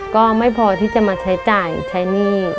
ก็ไม่พอที่จะมาใช้จ่ายใช้หนี้